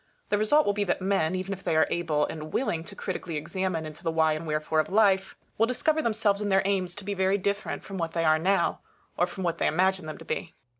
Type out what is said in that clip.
The result will be that men, even if they are able and willing to critically examine into the why and wherefore of life, will discover themselves and their aims to be very different from what they are now, or from what they imagine them to be.